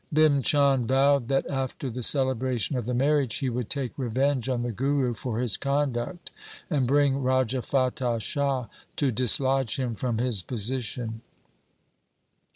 Bhim Chand vowed that after the celebration of the marriage he would take revenge on the Guru for his conduct, and bring Raja Fatah Shah to dislodge him from his position.